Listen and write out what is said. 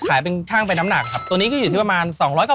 กางคั่วพริกเกลือจานนี้อยู่ที่๒๕๐บาทครับ